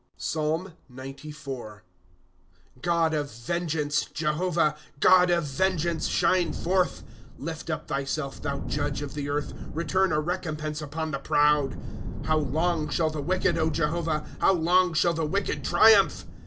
PSALM XOIV. 1 God of vengeance, Jehovah, God of vengeance, shine forth. 2 Lift up thyself, thou judge of the earth ; Return a recompense upon the proud. * How long shall the wicked, Jehovah, How long shall the wicked triumph?